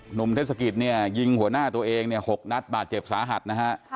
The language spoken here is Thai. เทศกิจเนี่ยยิงหัวหน้าตัวเองเนี่ย๖นัดบาดเจ็บสาหัสนะฮะ